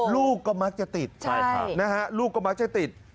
ลูกก็มักจะติดลูกก็มักจะติด